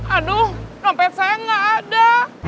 aduh dompet saya nggak ada